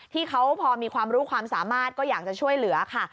ที่เขาพอมีความรู้ความสามารถก็อยากจะช่วยเหลือค่ะ